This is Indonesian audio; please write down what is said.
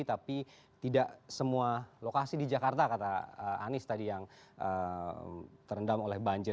tapi tidak semua lokasi di jakarta kata anies tadi yang terendam oleh banjir